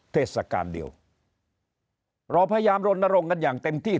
เทศกาลเดียวเราพยายามรณรงค์กันอย่างเต็มที่